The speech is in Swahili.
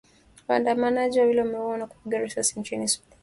Waandamanaji wawili wameuawa kwa kupigwa risasi nchini Sudan.